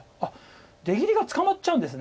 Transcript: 出切りが捕まっちゃうんです